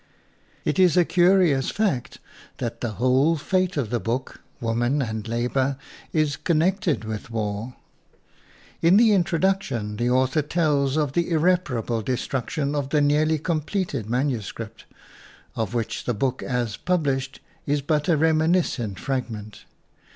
It is a curious fact that the whole FOREWORD fate of the book, "WOMAN AND LABOR," is connected with war. In the introduction the author tells of the irreparable destruction of the nearly completed manuscript of which the book as published is but a reminiscent fragment.